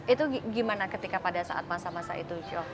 itu gimana ketika pada saat masa masa itu joh